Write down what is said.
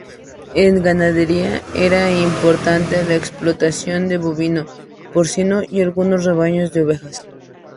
En ganadería era importante la explotación de bovino, porcino y algunos rebaños de ovejas.